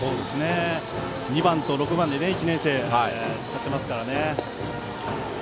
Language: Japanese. ２番と６番で１年生を使っていますからね。